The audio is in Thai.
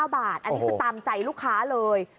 บาทอันนี้คือตามใจลูกค้าเลย